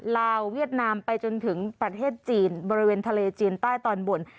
ลาวเวียดนามไปจนถึงประเทศจีนบริเวณทะเลจีนใต้ตอนบน